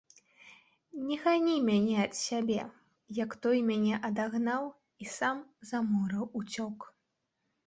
Не гані мяне ад сябе, як той мяне адагнаў і сам за мора ўцёк.